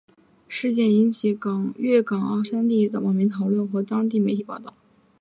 事件引起粤港澳三地网民讨论和当地媒体报导。